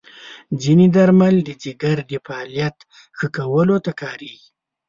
ځینې درمل د جګر د فعالیت ښه کولو ته کارېږي.